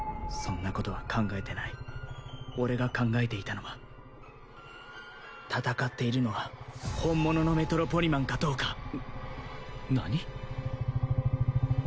そんなことは考えてない俺が考えていたのは戦っているのは本物のメトロポリマンかどうか何？